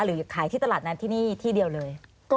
หรือขายที่ตลาดนั้นที่นี่ที่เดียวเลย